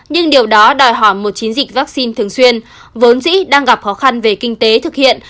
nhưng điều đó đòi hỏi một chiến dịch vaccine thường xuyên vốn dĩ đang gặp khó khăn về kinh tế thực hiện